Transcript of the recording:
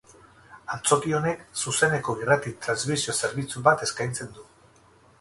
Antzoki honek, zuzeneko irrati transmisio zerbitzu bat eskaintzen du.